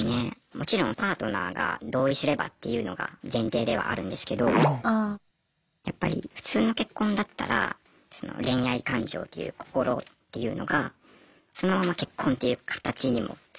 もちろんパートナーが同意すればっていうのが前提ではあるんですけどやっぱり普通の結婚だったらその恋愛感情っていう心っていうのがそのまま結婚っていう形にもつながっていくと思うんですけど。